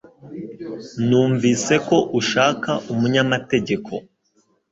Numvise ko ushaka umunyamategeko.